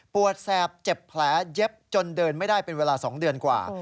แสบเจ็บแผลเย็บจนเดินไม่ได้เป็นเวลา๒เดือนกว่า